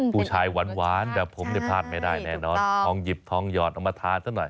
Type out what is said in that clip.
ผู้ชายหวานแบบผมเนี่ยพลาดไม่ได้แน่นอนทองหยิบทองหยอดเอามาทานซะหน่อย